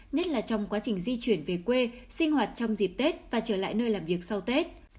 nhất là trong quá trình di chuyển về quê sinh hoạt trong dịp tết và trở lại nơi làm việc sau tết